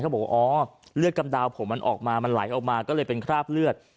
บอกว่าอ๋อเลือดกำดาวผมมันออกมามันไหลออกมาก็เลยเป็นคราบเลือด